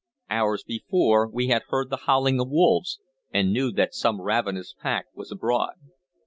Hours before we had heard the howling of wolves, and knew that some ravenous pack was abroad.